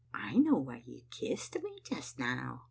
" I know why you kissed me just now.